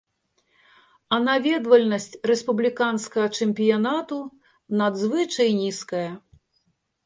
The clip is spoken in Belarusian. А наведвальнасць рэспубліканскага чэмпіянату надзвычай нізкая.